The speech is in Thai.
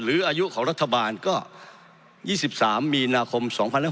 อายุของรัฐบาลก็๒๓มีนาคม๒๕๖๒